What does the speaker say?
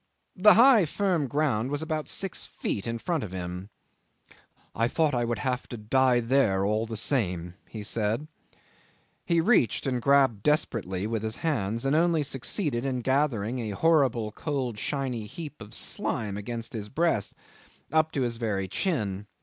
The higher firm ground was about six feet in front of him. "I thought I would have to die there all the same," he said. He reached and grabbed desperately with his hands, and only succeeded in gathering a horrible cold shiny heap of slime against his breast up to his very chin.